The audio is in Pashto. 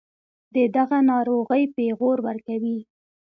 دَدغه ناروغۍپېغور ورکوي